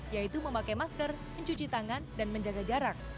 yaitu memakai masker mencuci tangan dan menjaga jarak